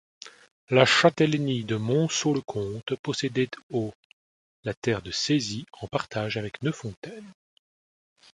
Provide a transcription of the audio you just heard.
La châtellenie de Monceaux-le-Comte possédait au la terre de Saizy en partage avec Neuffontaines.